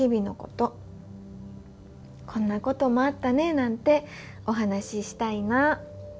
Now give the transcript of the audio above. こんなこともあったねなんてお話ししたいな。